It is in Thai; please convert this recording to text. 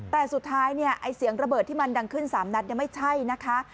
แต่สุดท้ายเนี่ยไอ้เสียงระเบิดที่มันดังขึ้น๓นัดไม่ใช่นะคะ